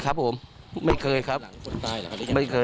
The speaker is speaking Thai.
ตลอดทั้งคืนตลอดทั้งคืน